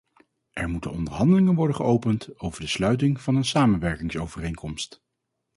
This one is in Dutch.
Er moeten onderhandelingen worden geopend over de sluiting van een samenwerkingsovereenkomst.